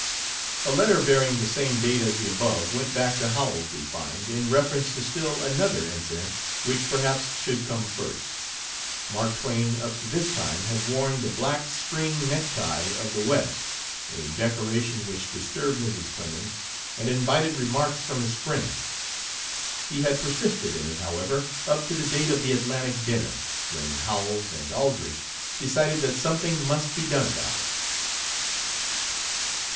A letter bearing the same date as the above went back to Howells, we find, in reference to still another incident, which perhaps should come first. Mark Twain up to this time had worn the black "string" necktie of the West a decoration which disturbed Mrs. Clemens, and invited remarks from his friends. He had persisted in it, however, up to the date of the Atlantic dinner, when Howells and Aldrich decided that something must be done about it.